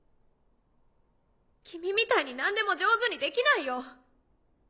君みたいに何でも上手にできないよ！